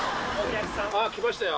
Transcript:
来ましたよ。